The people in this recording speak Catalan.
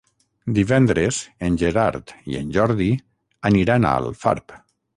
Divendres en Gerard i en Jordi aniran a Alfarb.